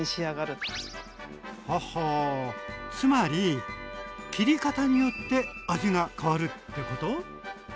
つまり切り方によって味が変わるってこと？